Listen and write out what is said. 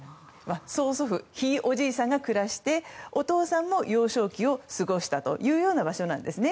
曾祖父、ひいおじいさんが暮らして、お父さんも幼少期を過ごしたという場所なんです。